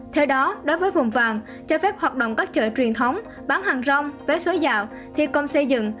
theo đó đối với vùng vàng cho phép hoạt động các chợ truyền thống bán hàng rong vé số dạo thi công xây dựng